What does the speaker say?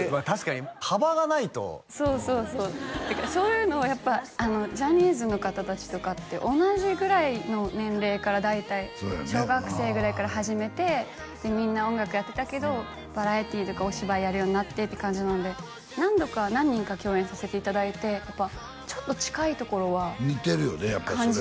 確かに幅がないとそうそうそうそういうのをジャニーズの方達とかって同じぐらいの年齢から大体小学生ぐらいから始めてみんな音楽やってたけどバラエティーとかお芝居やるようになってって感じなので何度か何人か共演させていただいてちょっと近いところは似てるよね